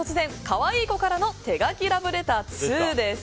かわいい子からの“手書き”ラブレター２です。